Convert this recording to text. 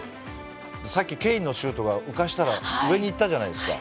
さっきケインのシュートが上にいったじゃないですか。